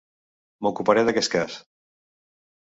M'ocuparé d'aquest cas.